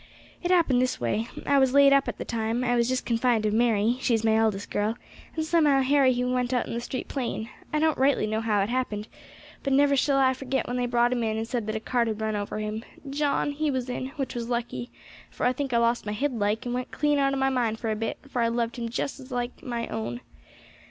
It happened this way. I was laid up at the time I was just confined of Mary, she is my eldest girl and somehow Harry he went out in the street playing. I don't rightly know how it happened; but never shall I forget when they brought him in, and said that a cart had run over him. John, he was in which was lucky, for I think I lost my head like, and went clean out of my mind for a bit, for I loved him just like my own.